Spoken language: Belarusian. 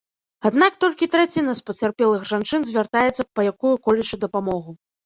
Аднак толькі траціна з пацярпелых жанчын звяртаецца па якую-колечы дапамогу.